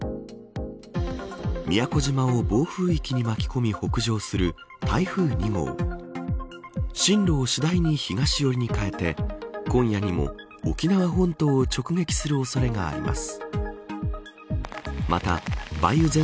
宮古島を暴風域に巻き込み北上する台風２号進路を次第に東寄りに変えて今夜にも沖縄本島を直撃する恐れがあります。